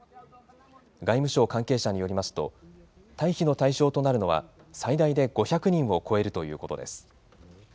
外務省関係者によりますと、退避の対象となるのは最大で５００人を超えるということです。